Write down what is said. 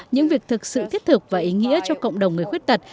những việc thực sự thiết thực và ý nghĩa cho cộng đồng người khuyết tật